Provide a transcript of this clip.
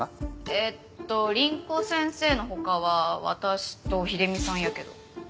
えっと凛子先生の他は私と秀美さんやけど。